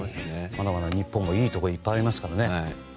まだまだ日本もいいところいっぱいありますからね。